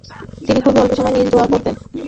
তিনি খুবই অল্প সময় নিয়ে দোয়া করতেন।